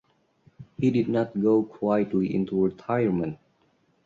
He did not go quietly into retirement.